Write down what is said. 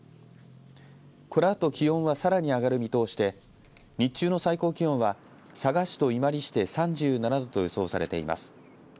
このあと気温はさらに上がる見通しで日中の最高気温は佐賀市と伊万里市で３７度と予想されています。